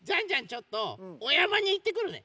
ちょっとおやまにいってくるね。